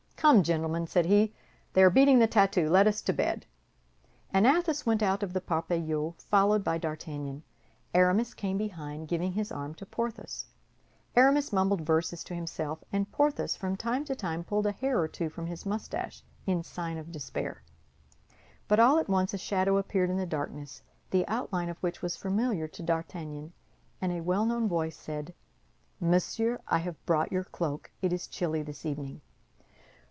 "Come, gentlemen," said he, "they are beating the tattoo. Let us to bed!" And Athos went out of the Parpaillot, followed by D'Artagnan. Aramis came behind, giving his arm to Porthos. Aramis mumbled verses to himself, and Porthos from time to time pulled a hair or two from his mustache, in sign of despair. But all at once a shadow appeared in the darkness the outline of which was familiar to D'Artagnan, and a well known voice said, "Monsieur, I have brought your cloak; it is chilly this evening."